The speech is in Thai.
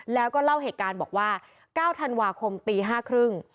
แล้วก็เล่าเหตุการณ์บอกว่า๙ธันวาคมตี๕๓๐